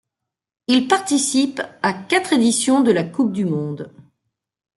Il participe à quatre éditions de la coupe du monde.